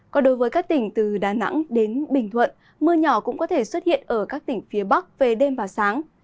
còn đối với các tỉnh từ đà nẵng đến bình thuận mưa nhỏ cũng có thể xuất hiện ở các tỉnh phía bắc về đêm và sáng